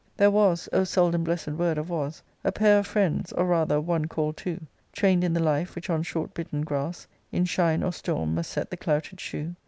. There was (O seldom blessed word of " was "!) 4 A pair of friends, or rather one call'd two, Train'd In tlnrtife which on short bitten grass In shine or storm must set the clouted shoe.